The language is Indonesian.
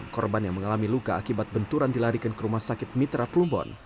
korban yang mengalami luka akibat benturan dilarikan ke rumah sakit mitra plumbon